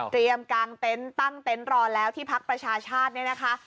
กลางเต็นต์ตั้งเต็นต์รอแล้วที่พักประชาชาติเนี่ยนะคะ